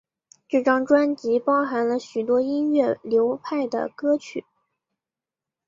这张专辑包含了许多音乐流派的歌曲。